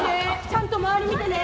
ちゃんと周り見てね。